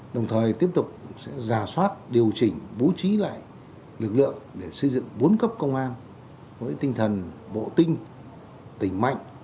đồng thời tiếp tục sẽ giả soát điều chỉnh bố trí lại lực lượng để xây dựng bốn cấp công an với tinh thần bộ tinh tỉnh mạnh